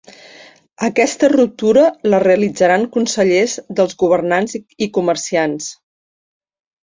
Aquesta ruptura la realitzaran consellers dels governants i comerciants.